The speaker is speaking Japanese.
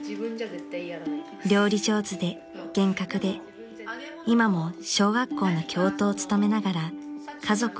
［料理上手で厳格で今も小学校の教頭を務めながら家族を支えるお母さん］